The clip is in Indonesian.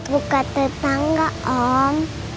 buka tetangga om